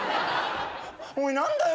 おい何だよ